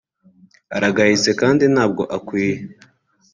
aragayitse kandi ntabwo akwiye